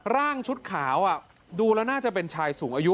ร่างชุดขาวดูแล้วน่าจะเป็นชายสูงอายุ